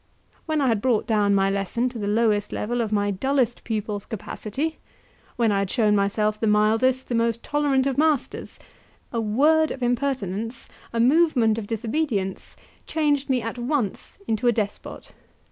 When I had brought down my lesson to the lowest level of my dullest pupil's capacity when I had shown myself the mildest, the most tolerant of masters a word of impertinence, a movement of disobedience, changed me at once into a despot.